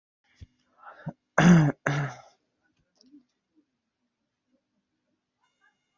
Qo'l mehnatidan foydalanildi.